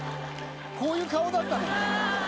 こういう顔だったんだね。